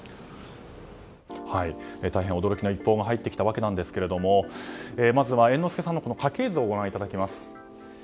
大変驚きの一報が入ってきたわけですがまずは猿之助さんの家計図をご覧いただきます。